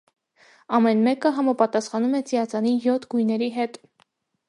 Ամեն մեկը համապատասխանում է ծիածանի յոթ գույների հետ։